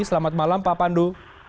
selamat malam pak pandu